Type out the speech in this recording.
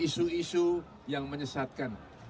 isu isu yang menyesatkan